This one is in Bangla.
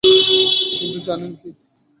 কিন্তু জানেন কি?